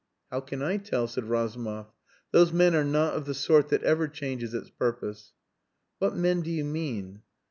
"How can I tell?" said Razumov. "Those men are not of the sort that ever changes its purpose." "What men do you mean?"